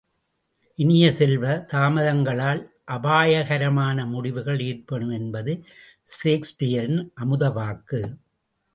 இனிய செல்வ, தாமதங்களால் அபாயகரமான முடிவுகள் ஏற்படும் என்பது ஷேக்ஸ்பியரின் அமுதவாக்கு.